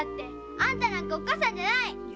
あんたなんかおっかさんじゃない！